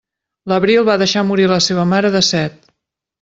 L'Abril va deixar morir la seva mare de set.